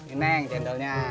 ini neng cendolnya